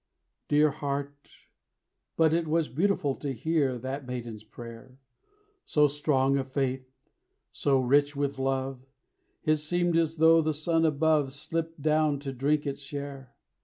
Dear heart, but it was beautiful To hear that maiden's prayer! So strong of faith, so rich with love It seem'd as though the sun above Slipp'd down to drink its share.